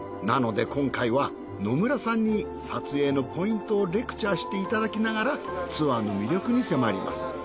なので今回は野村さんに撮影のポイントをレクチャーしていただきながらツアーの魅力に迫ります。